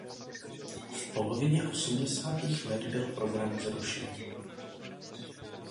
V polovině osmdesátých let byl program zrušen.